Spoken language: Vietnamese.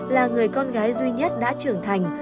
là người con gái duy nhất đã trưởng thành